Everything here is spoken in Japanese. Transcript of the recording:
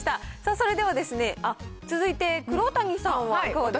それでは続いて、黒谷さんはいかがでしょう？